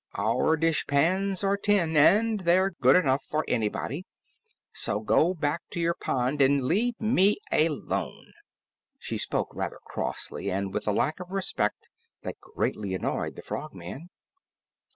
"Our dishpans are tin, and they're good enough for anybody. So go back to your pond and leave me alone." She spoke rather crossly and with a lack of respect that greatly annoyed the Frogman.